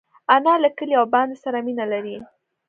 انا له کلي او بانډې سره مینه لري